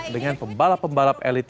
dengan pembalap pembalap elit